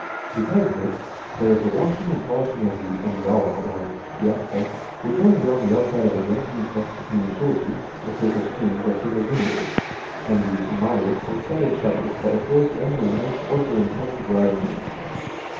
Besides this, there is the washing and polishing of the engawa, or piazza, which runs around the outside of a Japanese house between the shoji, or paper screens that serve as windows, and the amado, or sliding shutters, that are closed only at night, or during heavy, driving rains.